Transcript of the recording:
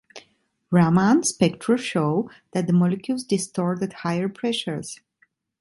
Raman spectra show that the molecules distort at higher pressures.